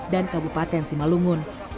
dan kabupaten simalungun